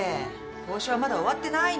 交渉はまだ終わってないの。